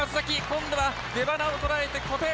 今度は出ばなをとらえて小手。